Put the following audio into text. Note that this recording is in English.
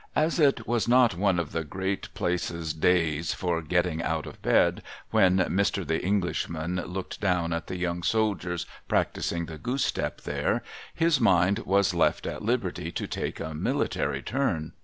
As it was not one of the Great Place's days for getting out of bed, when Mr. The Englishman looked down at the young soldiers practising the goose step there, his mind was left at liberty to take a mihtary turn.